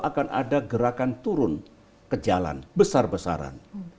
akan ada gerakan turun ke jalan besar besaran